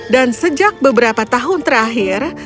dan sejak beberapa tahun terakhir